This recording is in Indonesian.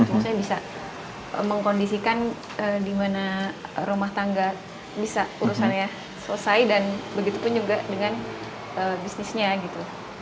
maksudnya bisa mengkondisikan di mana rumah tangga bisa urusannya selesai dan begitu pun juga dengan bisnisnya gitu